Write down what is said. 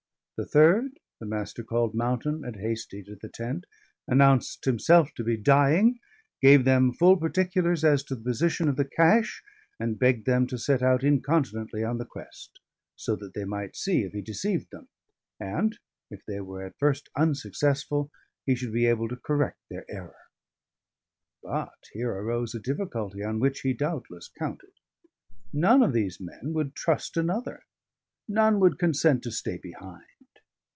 The third the Master called Mountain and Hastie to the tent, announced himself to be dying, gave them full particulars as to the position of the cache, and begged them to set out incontinently on the quest, so that they might see if he deceived them, and (if they were at first unsuccessful) he should be able to correct their error. But here arose a difficulty on which he doubtless counted. None of these men would trust another, none would consent to stay behind.